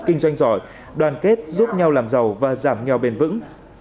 kinh doanh giỏi đoàn kết giúp nhau làm giàu và giảm nghèo bền vững